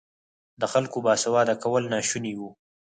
د خلکو باسواده کول ناشوني وو.